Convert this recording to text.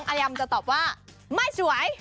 อะยำจะตอบว่าไม่สวย